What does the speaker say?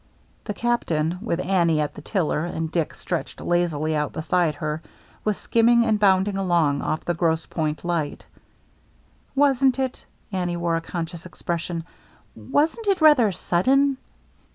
The Captaitiy with Annie at the tiller and Dick stretched lazily out beside her, was skim ming and bounding along off the Grosse Pointc light. " Wasn't it —" Annie wore a conscious ex pression —" wasn't it rather sudden